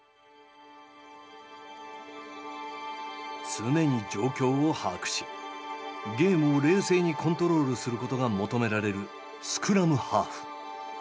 常に状況を把握しゲームを冷静にコントロールすることが求められるスクラムハーフ。